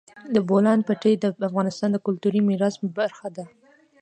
د بولان پټي د افغانستان د کلتوري میراث برخه ده.